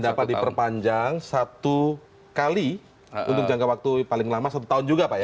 dan dapat diperpanjang satu kali untuk jangka waktu paling lama satu tahun juga pak ya